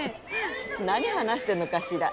何話してんのかしら。